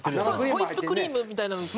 ホイップクリームみたいなのと。